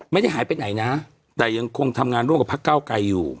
ไม่ได้หายไปไหนนะแต่ยังคงทำงานร่วมกับพักเก้าไกรอยู่